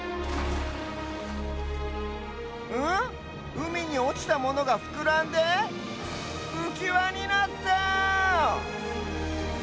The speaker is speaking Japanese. うみにおちたものがふくらんでうきわになった！